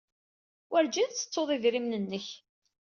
Werjin tettettuḍ idrimen-nnek.